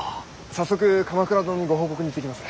早速鎌倉殿にご報告に行ってきます。